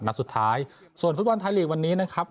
นัดสุดท้ายส่วนฟุตบอลไทยลีกวันนี้นะครับ